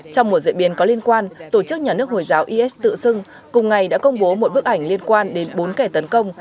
trong một diễn biến có liên quan tổ chức nhà nước hồi giáo is tự xưng cùng ngày đã công bố một bức ảnh liên quan đến bốn kẻ tấn công